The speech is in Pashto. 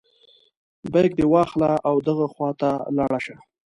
بیک دې واخله او دغه خواته لاړ شه.